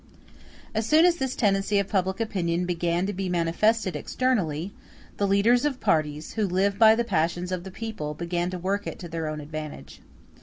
As soon as this tendency of public opinion began to be manifested externally, the leaders of parties, who live by the passions of the people, began to work it to their own advantage.